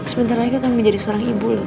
sebentar lagi kamu jadi seorang ibu loh